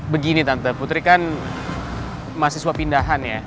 begini tante putri kan mahasiswa pindahan ya